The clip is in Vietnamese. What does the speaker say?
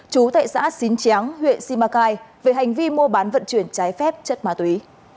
chú tại xã xín tráng huyện simacai về hành vi mua bán vận chuyển trái phép chất ma túy